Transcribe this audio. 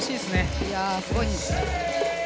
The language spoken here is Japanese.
いやすごい。